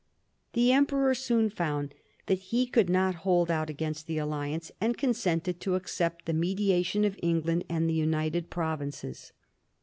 The Emperor soon found that he could not hold out against the alliance, and consented to accept the mediation of England and the United Provinces.